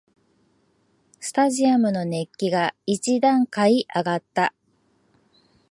スタジアムの熱気が一段階あがった